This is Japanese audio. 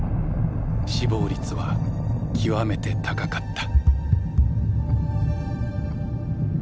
死亡率は極めて高かった。